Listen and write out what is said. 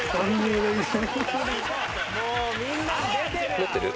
持ってる？